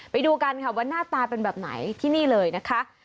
ไปดูกันค่ะว่าหน้าตาเป็นแบบไหนที่นี่เลยนะคะ